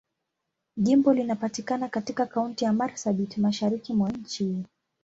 Jimbo linapatikana katika Kaunti ya Marsabit, Mashariki mwa nchi.